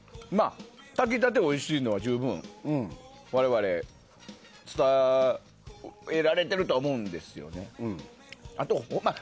炊きたてがおいしいのは十分、我々伝えられてるとは思うんですよね。